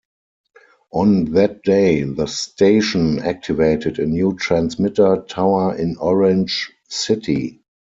On that day, the station activated a new transmitter tower in Orange City.